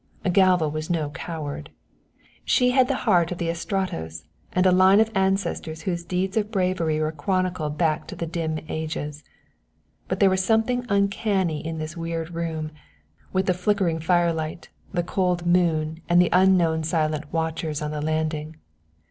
Galva was no coward. She had the heart of the Estratos and a line of ancestors whose deeds of bravery were chronicled back to the dim ages. But there was something uncanny in this weird room, with the flickering firelight the cold moon and the unknown silent watchers on the landing.